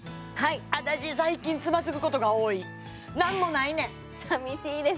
私最近はいつまずくことが多い何もないねんさみしいです